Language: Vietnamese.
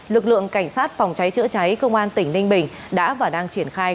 lực lượng cảnh sát phòng cháy chữa cháy công an tỉnh ninh bình đã và đang triển khai